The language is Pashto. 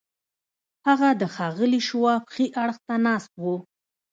هغه د ښاغلي شواب ښي اړخ ته ناست و